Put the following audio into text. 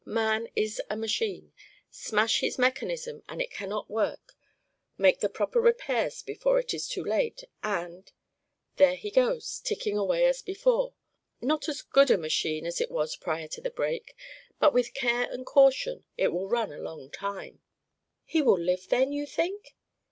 Man is a machine. Smash his mechanism and it cannot work; make the proper repairs before it is too late and there he goes, ticking away as before. Not as good a machine as it was prior to the break, but with care and caution it will run a long time." "He will live, then, you think?"